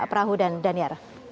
prabu dan daniar